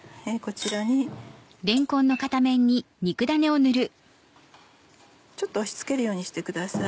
ちょっと押し付けるようにしてください。